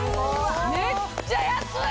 めっちゃ安い！